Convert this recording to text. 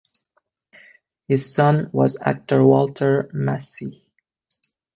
His son was actor Walter Massey.